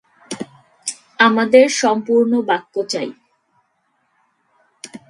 আমাদের সম্পুর্ণ বাক্য চাই।